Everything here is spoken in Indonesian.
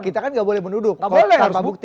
kita kan enggak boleh menuduh tanpa bukti